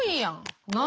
何？